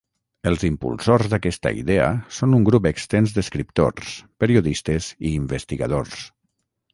Els impulsors d'aquesta idea són un grup extens d'escriptors, periodistes i investigadors.